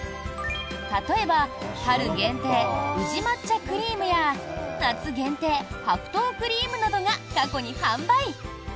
例えば春限定、宇治抹茶クリームや夏限定、白桃クリームなどが過去に販売！